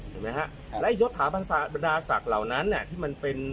เห็นไหมฮะแล้วยศถาบรรดาศักดิ์เหล่านั้นเนี่ย